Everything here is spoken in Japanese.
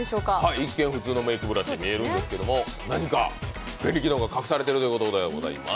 一見、普通のメークブラシに見えるんですけど何か便利機能が隠されているということです。